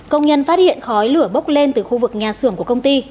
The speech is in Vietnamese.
công nhân phát hiện khói lửa bốc lên từ khu vực nhà xưởng của công ty